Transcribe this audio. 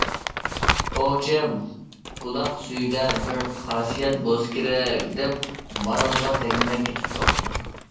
ئوۋچى بۇلاق سۈيىدە بىر خاسىيەت بولسا كېرەك، دەپ مارالغا تەگمەي كېتىپ قاپتۇ.